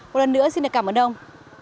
một lần nữa xin cảm ơn ông